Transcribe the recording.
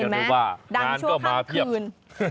เห็นไหมดังชั่วครั้งคืนโอ้โฮดังชั่วครั้งคืน